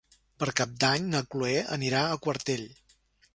Per Cap d'Any na Chloé irà a Quartell.